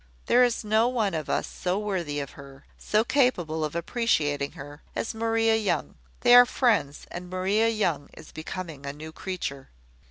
There is no one of us so worthy of her, so capable of appreciating her, as Maria Young: they are friends, and Maria Young is becoming a new creature.